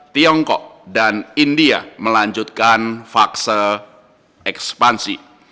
tiongkok dan india melanjutkan fase ekspansi